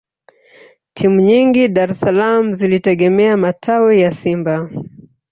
timu nyingi dar es salaam zilitegemea matawi ya simba